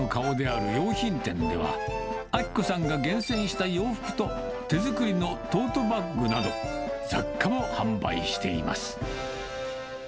この店のもう一つの顔である用品店では、アキ子さんが厳選した洋服と、手作りのトートバッグなど、雑貨も販売しています。